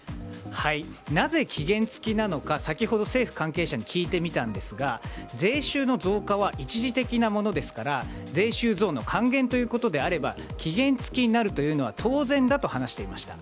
なぜ期限付きなのか先ほど政府関係者に聞いてみたんですが税収の増加は一時的なものですから税収増の還元ということなら期限付きになるのは当然だと話していました。